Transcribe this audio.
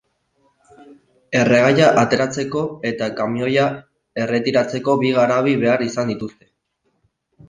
Erregaia ateratzeko eta kamioia erretiratzeko bi garabi behar izan dituzte.